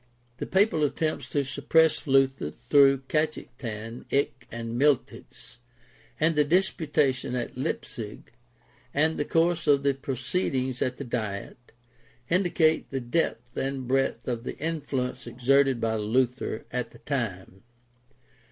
The papal attempts to suppress Luther through Cajetan, Eck, and Miltitz and the Disputation at Leipzig, and the course of the proceedings at the Diet, indicate the depth and breadth of the influence exerted by Luther at the time.